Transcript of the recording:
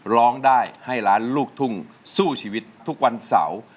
ร้องได้ให้ล้านลูกทุ่งสู้ชีวิตทุกวันเสาร์